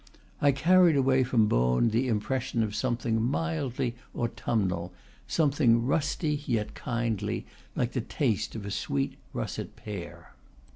I carried away from Beaune the impression of some thing mildly autumnal, something rusty yet kindly, like the taste of a sweet russet pear.